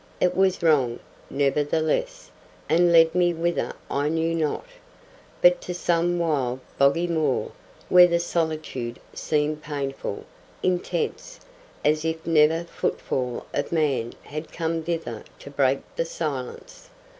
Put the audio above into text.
It was wrong, nevertheless, and led me whither I knew not, but to some wild boggy moor where the solitude seemed painful, intense, as if never footfall of man had come thither to break the silence.